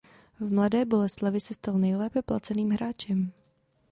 V Mladé Boleslavi se stal nejlépe placeným hráčem.